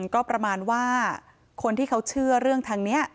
ก็ประมาณว่าคนที่เขาเชื่อเรื่องทางนี้